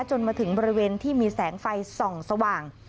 จนมาถึงบริเวณที่มีแสงไฟส่องสว่าง